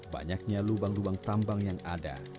banyaknya lubang lubang tambang yang ada